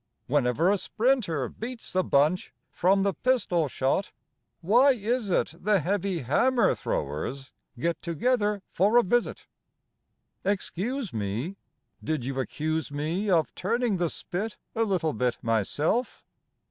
Whenever a sprinter beats the bunch from the pistol shot, why is it The heavy hammer throwers get together for a visit? Excuse me! Did you accuse me Of turning the spit a little bit myself?